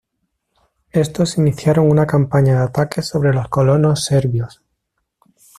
Estos iniciaron una campaña de ataques sobre los colonos serbios.